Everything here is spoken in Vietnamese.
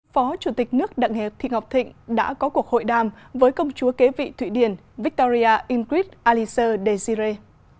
phó chủ tịch nước đặng thị ngọc thịnh đã có cuộc hội đàm với công chúa kế vị thụy điển victoria ingrid aliser desiree